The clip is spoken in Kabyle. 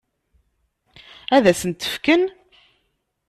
Ad sent-ten-fken?